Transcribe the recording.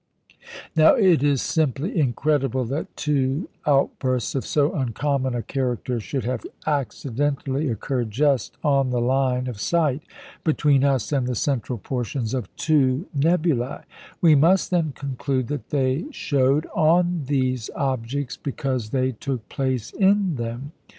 Now, it is simply incredible that two outbursts of so uncommon a character should have accidentally occurred just on the line of sight between us and the central portions of two nebulæ; we must, then, conclude that they showed on these objects because they took place in them.